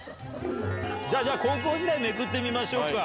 じゃあ高校時代めくってみましょうか。